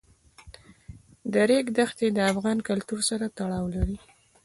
د ریګ دښتې د افغان کلتور سره تړاو لري.